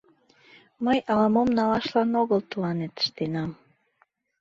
— Мый ала-мом налашлан огыл тыланет ыштенам.